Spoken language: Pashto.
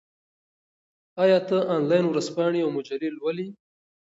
آیا ته انلاین ورځپاڼې او مجلې لولې؟